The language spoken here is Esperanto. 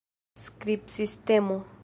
skribsistemo